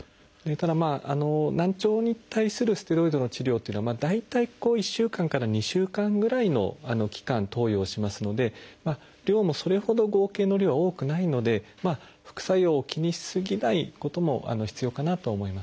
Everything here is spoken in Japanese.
ただ難聴に対するステロイドの治療っていうのは大体１週間から２週間ぐらいの期間投与をしますので量もそれほど合計の量は多くないので副作用を気にし過ぎないことも必要かなと思います。